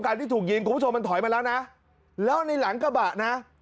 มันถอยมาแล้วนะแล้วในหลังกระบาดนะ